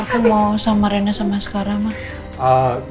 aku mau sama rena sama sekarang